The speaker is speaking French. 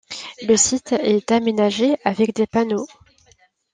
Le site est aménagé avec des panneaux.